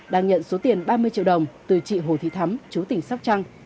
đang nhận số tiền ba mươi triệu đồng từ chị hồ thị thắm chú tỉnh sóc trăng